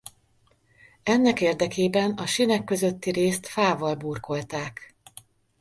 Ennek érdekében a sínek közötti részt fával burkolták.